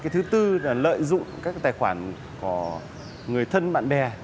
thứ tư là lợi dụng các tài khoản của người thân bạn bè